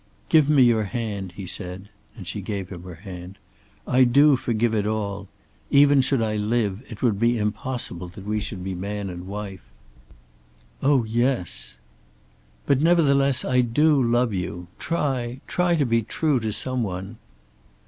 "Give me your hand," he said, and she gave him her hand. "I do forgive it all. Even should I live it would be impossible that we should be man and wife." "Oh yes." "But nevertheless I love you. Try, try to be true to some one."